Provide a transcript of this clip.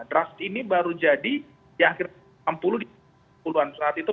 draft ini baru jadi di akhir enam puluh di puluhan saat itu